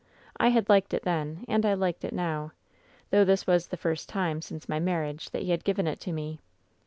I had liked it then, and I liked it now, though this was the first time, since my marriage, that he had given it to me.